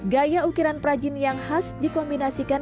gaya ukiran prajin yang khas dikombinasi kerajinan